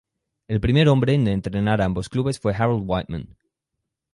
El primer hombre en entrenar a ambos clubes fue Harold Wightman.